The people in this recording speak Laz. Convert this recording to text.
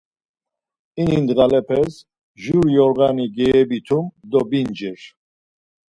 İni ndğalepes Jur yoğani goyovitum do vincir.